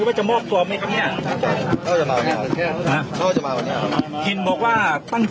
ทำไมตอนนั้นทำไมเราสนใจจะเอาแผงสกน้อมมานะครับ